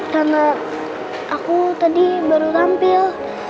karena aku tadi baru tampil